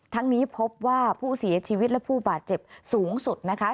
ทั้งนี้พบว่าผู้เสียชีวิตและผู้บาดเจ็บสูงสุดนะคะ